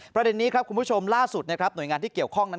ประเด็นนี้คุณผู้ชมล่าสุดหน่วยงานที่เกี่ยวข้องนั้น